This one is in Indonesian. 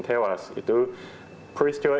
tewas itu peristiwa